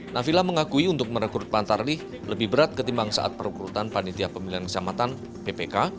nafila mengakui untuk merekrut pantarlih lebih berat ketimbang saat perekrutan panitia pemilihan kecamatan ppk